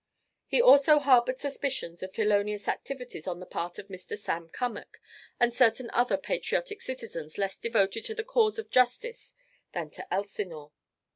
He also harboured suspicions of felonious activities on the part of Mr. Sam Cummack and certain other patriotic citizens less devoted to the cause of justice than to Elsinore.